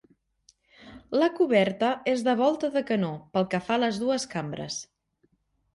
La coberta és de volta de canó pel que fa a les dues cambres.